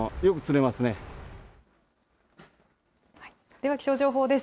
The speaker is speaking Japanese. では、気象情報です。